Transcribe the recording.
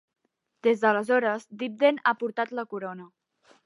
Des d'aleshores, Dibden ha portat la Corona.